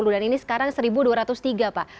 dan ini sekarang satu dua ratus tiga pak